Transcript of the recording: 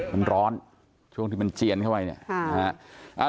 มันร้อนช่วงที่มันเจียนเข้าไปเนี่ยนะฮะ